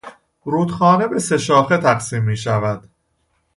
رودخانه به سه شاخه تقسیم میشود.